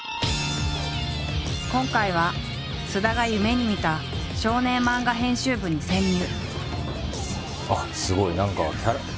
今回は菅田が夢にみた少年漫画編集部に潜入！